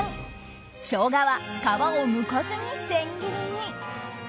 ショウガは皮をむかずに千切りに。